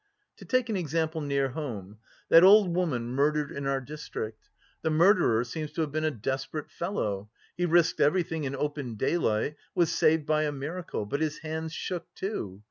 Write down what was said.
To take an example near home that old woman murdered in our district. The murderer seems to have been a desperate fellow, he risked everything in open daylight, was saved by a miracle but his hands shook, too.